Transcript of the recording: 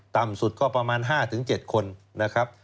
ต่ำสุดก็ประมาณ๕๗คนนะครับ